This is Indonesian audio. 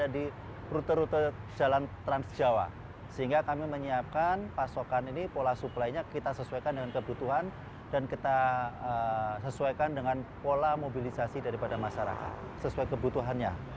dan kita sesuaikan dengan pola mobilisasi daripada masyarakat sesuai kebutuhannya